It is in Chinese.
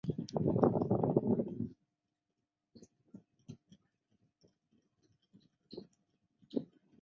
如滑行道和停机坪等机场禁区地区也设有适当的照明器材。